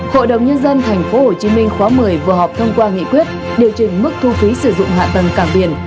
hội đồng nhân dân tp hcm khóa một mươi vừa họp thông qua nghị quyết điều chỉnh mức thu phí sử dụng hạ tầng cảng biển